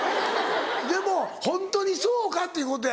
でもホントにそうか？っていうことや。